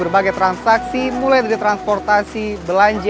pembeli uang elektronik bisa mencari uang elektronik yang bisa dikambil dari bank indonesia